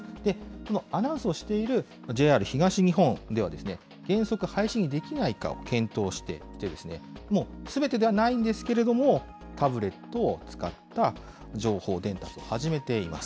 このアナウンスをしているＪＲ東日本では、原則、廃止にできないかを検討していて、もうすべてではないんですけれども、タブレットを使った情報伝達を始めています。